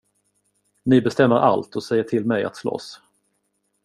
Ni bestämmer allt och säger till mig att slåss.